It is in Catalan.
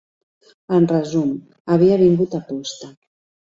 En resum, havia vingut a posta.